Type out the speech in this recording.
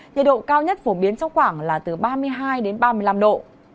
nhiệt độ cao nhất phổ biến trong khoảng là từ ba mươi hai đến ba mươi năm độ